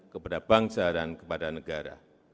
kepada bangsa dan kepada negara